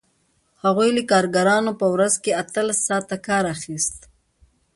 هغوی له کارګرانو په ورځ کې اتلس ساعته کار اخیست